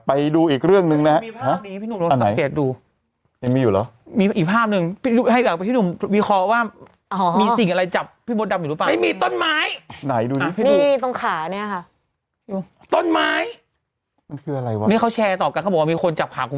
ไปดูอีกเรื่องหนึ่งนะฮะ